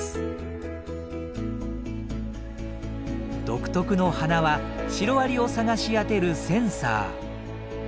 独特の鼻はシロアリを探し当てるセンサー。